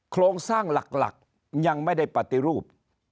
โครงสร้างหลักยังไม่ได้ปฏิรูป